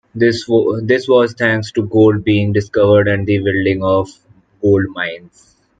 This was thanks to gold being discovered and the building of gold mines.